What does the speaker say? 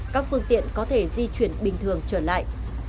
các phương tiện có thể di chuyển bình thường trở lại